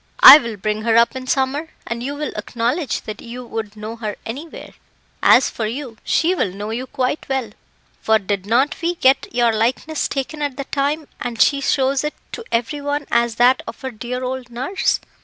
"I will bring her up in summer, and you will acknowledge that you would know her anywhere. As for you, she will know you quite well, for did not we get your likeness taken at the time, and she shows it to every one as that of her dear old nurse."